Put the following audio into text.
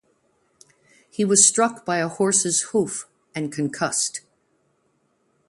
He was struck by a horse's hoof and concussed.